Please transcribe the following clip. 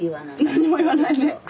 何も言わないね。